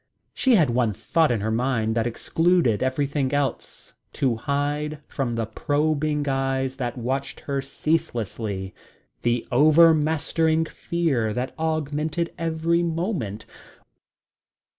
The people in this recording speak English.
She had one thought in her mind that excluded everything else to hide from the probing eyes that watched her ceaselessly the overmastering fear that augmented every moment.